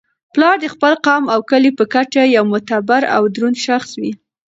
پلار د خپل قوم او کلي په کچه یو معتبر او دروند شخص وي.